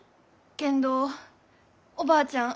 けんどおばあちゃん。